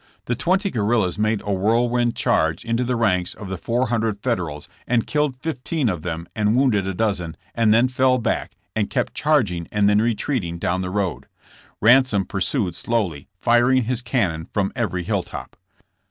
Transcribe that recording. The twenty guerrillas made a whirlwind charge into the ranks of the four hundred Federals and killed fifteen of them and wounded a dozen, and then fell back, and kept 42 JBSSB JAMES. charging and then retreating down the road. Ransom pursued slowly, firing his cannon from every hill top.